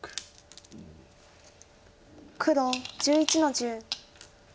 黒１１の十。